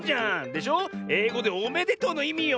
えいごで「おめでとう」のいみよ。